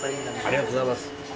ありがとうございます。